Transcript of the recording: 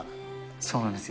そうなんですよ。